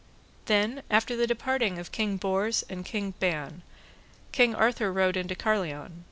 Then after the departing of King Ban and of King Bors, King Arthur rode into Carlion.